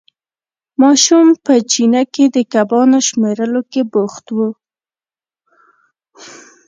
ماشوم په چینه کې د کبانو شمېرلو کې بوخت وو.